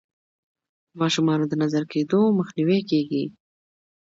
د ماشومانو د نظر کیدو مخنیوی کیږي.